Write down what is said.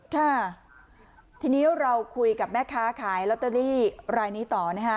ค่ะทีนี้เราคุยกับแม่ค้าขายลอตเตอรี่รายนี้ต่อนะฮะ